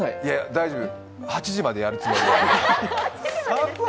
大丈夫、８時までやるつもり。